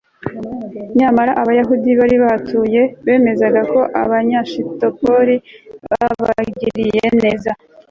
nyamara abayahudi bari bahatuye bemeza ko abanyashitopoli babagiriye neza